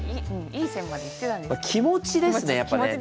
気持ちですねやっぱね。